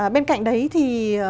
bên cạnh đấy thì